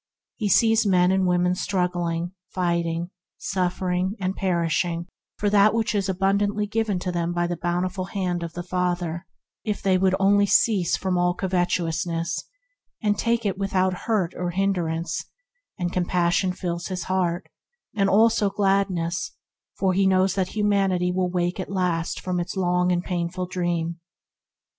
He sees men and women struggling, fighting, suffering, and perishing for what is abundantly given them by the bountiful hand of the Father, if they would only cease from all covetousness and take it without hurt or hindrance; and compassion fills his heart, and also gladness, for he knows that human ity will wake at last from its long and painful dream.